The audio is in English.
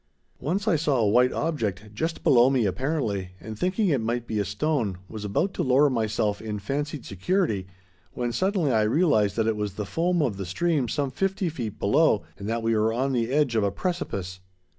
Once I saw a white object, just below me apparently, and thinking it might be a stone, was about to lower myself in fancied security when suddenly I realized that it was the foam of the stream some fifty feet below, and that we were on the edge of a precipice!